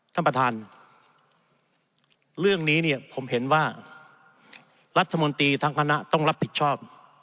ท่านประธานเรื่องนี้เนี่ยผมเห็นว่ารัฐมนตรีทั้งคณะต้องรับผิดชอบ